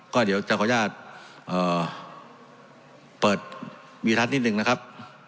ก็เดี๋ยวจะขออนุญาตเปิดวีทัศน์นิดนึงนะครับ